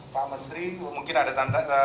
pak menteri mungkin ada tantan yang mau berbicara